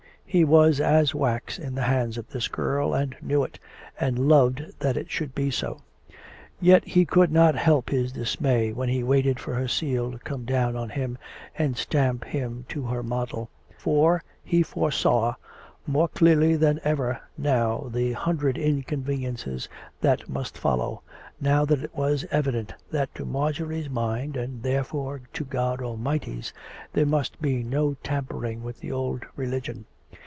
He was as wax in the hands of this girl, and knew it, and loved that it should be so. Yet he could not help his dismay while he waited for her seal to come down on him and stamp him to her model. For he foresaw more clearly than ever now the hundred inconveniences that must follow, now that it was evident that to Marjorie's mind (and therefore to God Almighty's) there must be no tampering with the old religion.